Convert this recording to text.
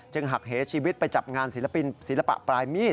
หักเหชีวิตไปจับงานศิลปินศิลปะปลายมีด